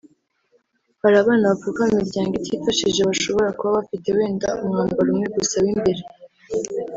hari abana bavuka mu miryango itifashije bashobora kuba bafite wenda umwambaro umwe gusa w’imbere